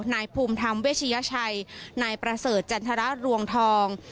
นายภูมิธรรมเวชยชัยนายประเสริฐจันทรรวงทอง